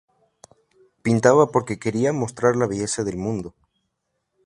Pintaba porque quería mostrar la belleza del mundo.